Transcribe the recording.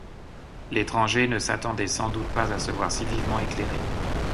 L’étranger ne s’attendait sans doute pas à se voir si vivement éclairé.